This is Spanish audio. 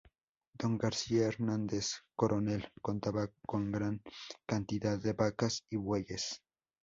Don García Hernández Coronel contaba con gran cantidad de vacas y bueyes.